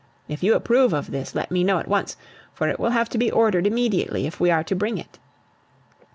If you approve of this, let me know at once; for it will have to be ordered immediately if we are to bring it.